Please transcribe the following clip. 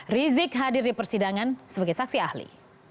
rizik hadir di persidangan sebagai saksi ahli